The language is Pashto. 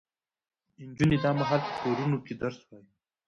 نجونې دا مهال په کورونو کې درس وايي.